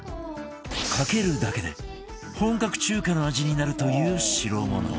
かけるだけで本格中華の味になるという代物